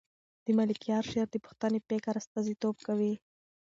د ملکیار شعر د پښتني فکر استازیتوب کوي.